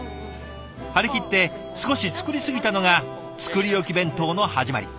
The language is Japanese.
張り切って少し作り過ぎたのが作り置き弁当の始まり。